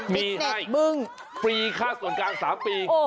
มีฟรีค่าส่วนกลาง๓ปี